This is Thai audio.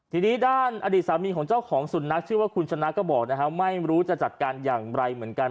ทีนี้ด้านอดีตสามีของเจ้าของสุนัขชื่อว่าคุณชนะก็บอกนะฮะไม่รู้จะจัดการอย่างไรเหมือนกัน